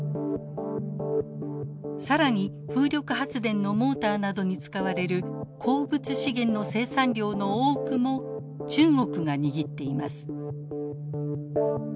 更に風力発電のモーターなどに使われる鉱物資源の生産量の多くも中国が握っています。